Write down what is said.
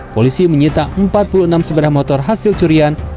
polisi menyita empat puluh enam sepeda motor